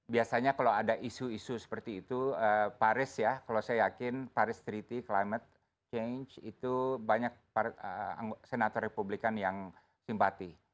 biasanya kalau ada isu isu seperti itu paris ya kalau saya yakin paris treaty climate change itu banyak senator republikan yang simpati